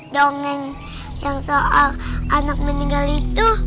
dongeng yang soal anak meninggal itu